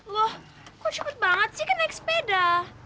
loh kok cepet banget sih kena ekspeda